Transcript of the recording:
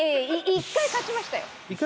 １回勝ちました？